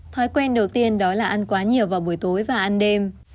thói quen đầu tiên đó là ăn quá nhiều vào buổi tối và ăn đêm